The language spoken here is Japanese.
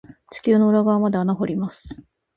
地球の裏側まで穴掘ります。